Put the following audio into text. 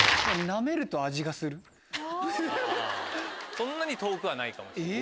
そんなに遠くはないかもしれない。